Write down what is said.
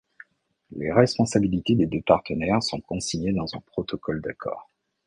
Les responsabilités des deux partenaires sont consignées dans un protocole d'accord.